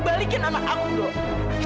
balikin anak aku do